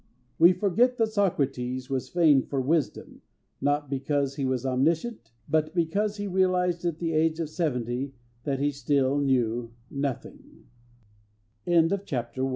We forget that Socrates was famed for wisdom not because he was omniscient but because he realised at the age of seventy that he still knew noth